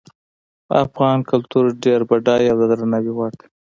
افغان کلتور ډیر بډایه او د درناوي وړ ده